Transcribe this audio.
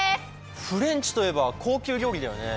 フレンチといえば高級料理だよね。